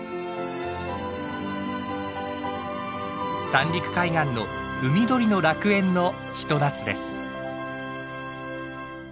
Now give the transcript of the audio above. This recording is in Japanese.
三陸海岸の海鳥の楽園のひと夏です。